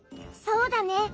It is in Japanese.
そうだね。